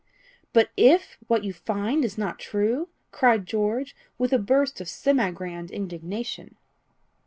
"But if what you find is not true!" cried George, with a burst of semi grand indignation.